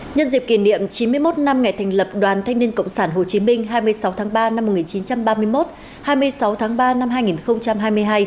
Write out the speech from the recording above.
nhân dịp kỷ niệm chín mươi một năm ngày thành lập đoàn thanh niên cộng sản hồ chí minh hai mươi sáu tháng ba năm một nghìn chín trăm ba mươi một hai mươi sáu tháng ba năm hai nghìn hai mươi hai